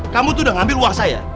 kamu tuh udah ngambil uang saya